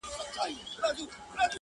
اوس په لمانځه کي دعا نه کوم ښېرا کومه.